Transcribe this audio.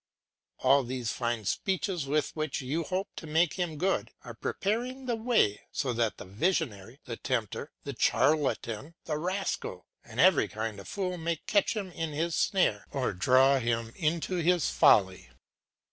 All these fine speeches with which you hope to make him good, are preparing the way, so that the visionary, the tempter, the charlatan, the rascal, and every kind of fool may catch him in his snare or draw him into his folly.